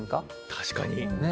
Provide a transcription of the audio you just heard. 確かに。